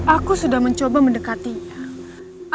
aku sudah mencoba mendekatinya